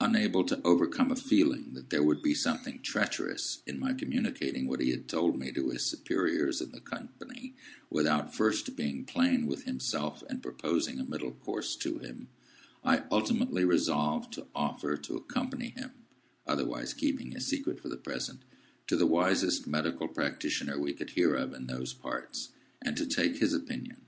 Unable to overcome a feeling that there would be something treacherous in my communicating what he had told me to his superiors in the Company, without first being plain with himself and proposing a middle course to him, I ultimately resolved to offer to accompany him (otherwise keeping his secret for the present) to the wisest medical practitioner we could hear of in those parts, and to take his opinion.